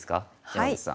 山口さん。